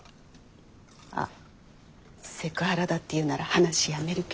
あっセクハラだって言うなら話やめるけど。